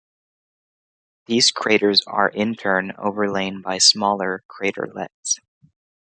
These craters are in turn overlain by smaller craterlets.